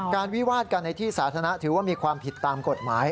วิวาดกันในที่สาธารณะถือว่ามีความผิดตามกฎหมาย